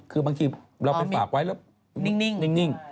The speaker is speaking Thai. คือบางทีเราไปฝากไว้แล้วนิ่ง